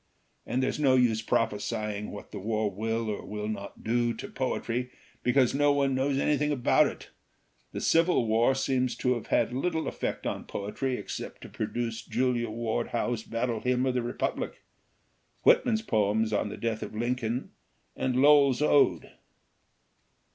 And there's no use prophesy ing what the war will or will not do to poetry, because no one knows anything about it. The Civil War seems to have had little effect on poetry except to produce Julia Ward Howe's Battle Hymn 271 LITERATURE IN THE MAKING of the Republic, Whitman's poems on the death of Lincoln, and Lowell's 'Ode.'"